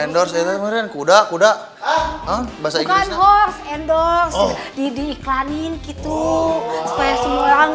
endorse endorse endorse kuda kuda bahasa inggris endorse diiklanin gitu semua orang